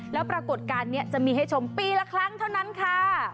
แล้วปรากฏการณ์นี้จะมีให้ชมปีละครั้งเท่านั้นค่ะ